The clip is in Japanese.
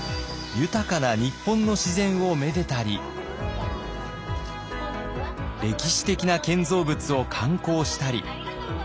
豊かな日本の自然をめでたり歴史的な建造物を観光したり。